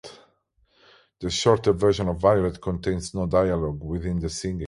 The shorter version of "Violet" contains no dialogue within the singing.